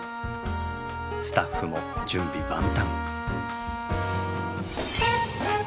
スタッフも準備万端。